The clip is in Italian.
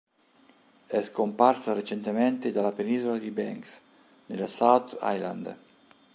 È scomparsa recentemente dalla penisola di Banks, nella South Island.